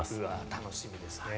楽しみですね。